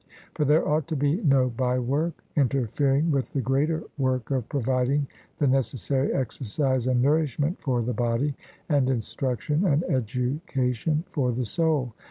For there ought to be no bye work interfering with the greater work of providing the necessary exercise and nourishment for the body, and instruction and education for the soul.